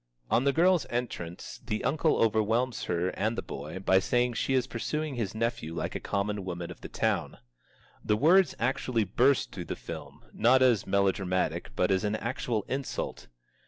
On the girl's entrance the uncle overwhelms her and the boy by saying she is pursuing his nephew like a common woman of the town. The words actually burst through the film, not as a melodramatic, but as an actual insult.